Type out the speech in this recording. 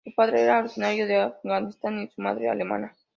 Su padre era originario de Afganistán y su madre, alemana.